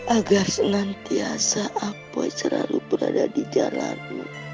agar senantiasa apoi selalu berada di jalanku